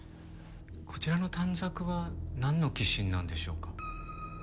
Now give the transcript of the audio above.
こちらの短冊はなんの寄進なんでしょうか？